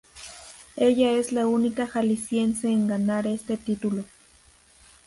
Ella es la única Jalisciense en ganar este título.